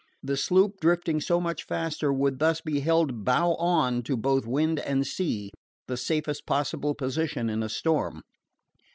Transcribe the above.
The sloop, drifting so much faster, would thus be held bow on to both wind and sea the safest possible position in a storm.